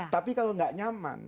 tapi kalau tidak nyaman